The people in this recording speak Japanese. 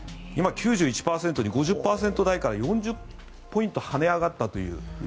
今９１％に５０％台から４０ポイント跳ね上がったという。